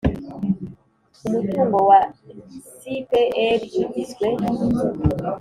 Umutungo wa C P R ugizwe